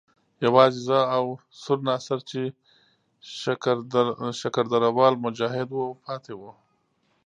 یوازې زه او سور ناصر چې شکر درده وال مجاهد وو پاتې وو.